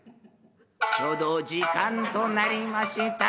ちょうど時間となりました